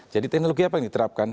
jadi teknologi apa yang diterapkan